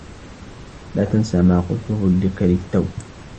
لا تنس ما قلته لك للتّو.